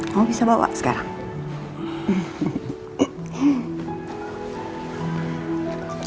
kamu bisa bawa sekarang